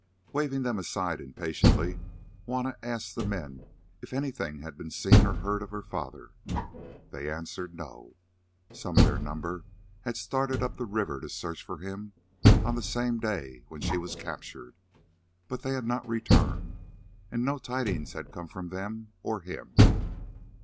Waving them aside impatiently, Juanna asked the men if anything had been seen or heard of her father. They answered, "No." Some of their number had started up the river to search for him on the same day when she was captured, but they had not returned, and no tidings had come from them or him.